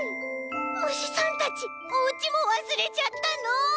むしさんたちおうちもわすれちゃったの！？